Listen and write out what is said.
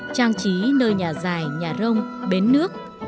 trang trí nơi nhà dài nhà rông bến nước